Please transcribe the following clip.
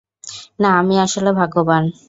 না, আমি আসলে ভাগ্যবান।